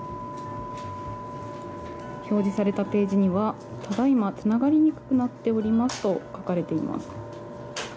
表示されたページにはただ今つながりにくくなっておりますと書かれています。